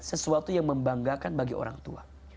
sesuatu yang membanggakan bagi orang tua